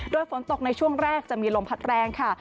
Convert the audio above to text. โดยฝนตกในช่วงแรกจะมีลมพัดแรงค่ะ